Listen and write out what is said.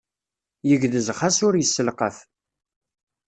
Yegdez xas ur yesselqaf.